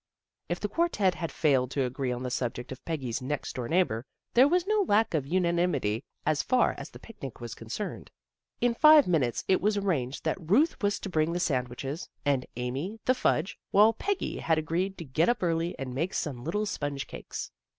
" If the quartet had failed to agree on the subject of Peggy's next door neighbor there was no lack of unanimity as far as the picnic was concerned. In five minutes it was ar ranged that Ruth was to bring the sandwiches and Amy the fudge, while Peggy had agreed to get up early and make some little sponge cakes.